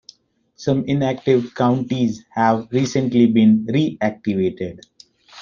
Some inactive counties have recently been reactivated.